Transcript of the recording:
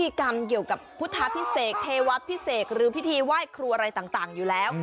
กรรมเกี่ยวกับพุทธพิเศษเทวะพิเศษหรือพิธีไหว้ครูอะไรต่างอยู่แล้ว